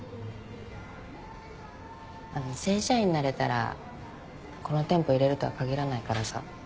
あの正社員になれたらこの店舗いれるとは限らないからさ。